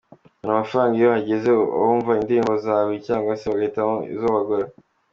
Ubona amafaranga iyo hagize abumva indirimbo zawe cyangwa se bagahitamo izo bagura.